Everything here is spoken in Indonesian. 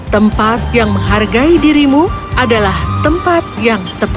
tempat yang menghargai dirimu adalah tempat yang tepat